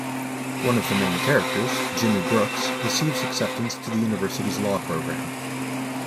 One of the main characters, Jimmy Brooks, receives acceptance to the university's Law program.